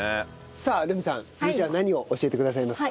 さあ留美さん続いては何を教えてくださいますか？